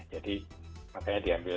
jadi makanya diambil